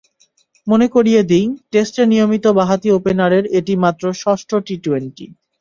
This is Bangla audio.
মনে করিয়ে দিই, টেস্টে নিয়মিত বাঁহাতি ওপেনারের এটি মাত্র ষষ্ঠ টি-টোয়েন্টি।